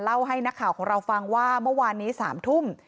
เล่าให้นักข่าวของเราฟังว่าเมื่อวานนี้๓ทุ่ม